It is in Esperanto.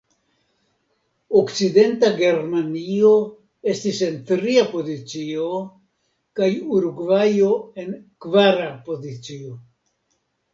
Okcidenta Germanio estis en tria pozicio, kaj Urugvajo en kvara pozicio.